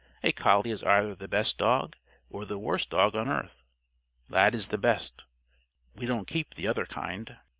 A collie is either the best dog or the worst dog on earth. Lad is the best. We don't keep the other kind.